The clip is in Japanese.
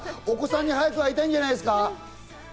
お子さんに早く会いたいんじゃないですか？